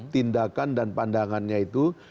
tindakan dan pandangannya itu